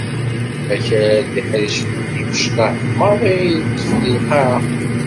Akal d iḥricen-nni imecṭaḥ maḍi i d-yeṭṭef deg Lqaεa.